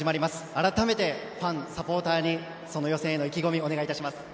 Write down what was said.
改めて、ファン、サポーターにその予選への意気込みをお願いします。